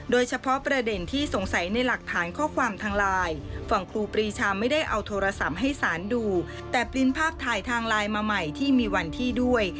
โดยเฉพาะประเด็นที่สงสัยในหลักฐานข้อความทางไลน์ฝั่งครูปรีชาไม่ได้เอาโทรศัพท์ให้สารดูแต่ปริ้นภาพถ่ายทางไลน์มาใหม่ที่มีวันที่ด้วย